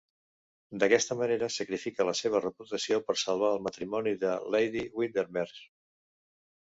D'aquesta manera sacrifica la seva reputació per salvar el matrimoni de Lady Windermere.